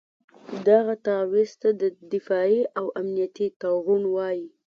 دغه تعویض ته دفاعي او امنیتي تړون وایي.